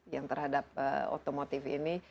yang terhadap otomotif ini